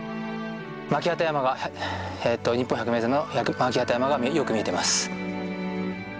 巻機山が日本百名山の巻機山がよく見えています。